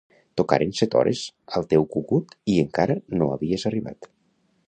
Tocaren set hores al teu cucut i encara no havies arribat.